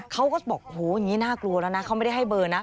เขาก็บอกโหอย่างนี้น่ากลัวแล้วนะเขาไม่ได้ให้เบอร์นะ